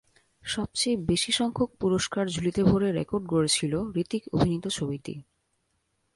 সবচেয়ে বেশি সংখ্যক পুরস্কার ঝুলিতে ভরে রেকর্ড গড়েছিল হৃতিক অভিনীত ছবিটি।